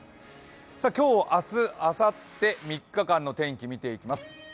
今日、明日、あさって３日間の天気を見ていきます。